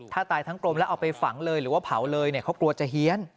ถ้าตายทั้งกลมแล้วเอาไปฝังเลยหรือว่าเผาเลยเขากลัวจะเฮียน